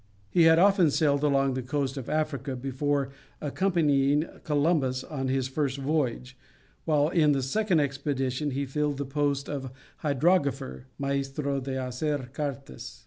He had often sailed along the coast of Africa before accompanying Columbus on his first voyage, while in the second expedition he filled the post of hydrographer (maestro de hacer cartas).